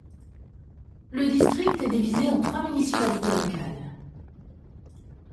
Le district est divisé en trois municipalités locales.